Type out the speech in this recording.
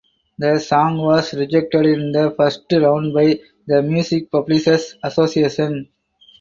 The song was rejected in the first round by the Music Publishers Association.